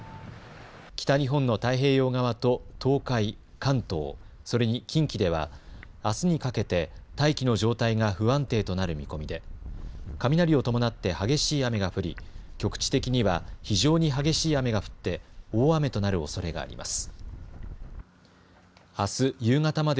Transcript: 北日本の太平洋側と東海、関東、それに近畿では、あすにかけて大気の状態が不安定となる見込みで雷を伴って激しい雨が降り局地的には非常に激しい雨が降って大雨となるおそれがあります。